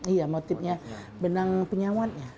iya motifnya benang penyawatnya